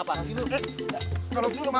gak usah lo bernama